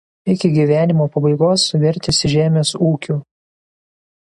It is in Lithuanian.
Iki gyvenimo pabaigos vertėsi žemės ūkiu.